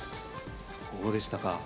そうでしたか。